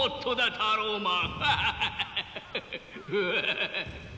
タローマン。